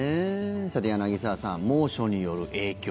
さて、柳澤さん猛暑による影響。